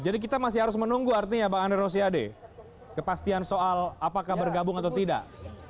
jadi kita masih harus menunggu artinya pak andre rosiade kepastian soal apakah bergabung atau tidak